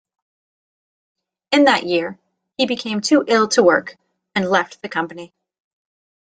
In that year he became too ill to work and left the company.